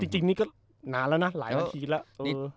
จริงนี่ก็นานแล้วนะหลายนาทีแล้ว